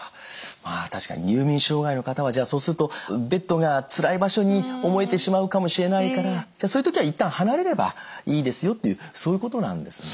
まあ確かに入眠障害の方はそうするとベッドがつらい場所に思えてしまうかもしれないからじゃあそういう時は一旦離れればいいですよというそういうことなんですね。